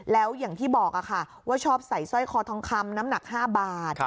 แล้วอย่างที่บอกค่ะว่าชอบใส่สร้อยคอทองคำน้ำหนัก๕บาท